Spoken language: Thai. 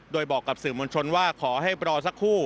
โดยบอกกับสื่อมวลชนว่าขอให้รอสักครู่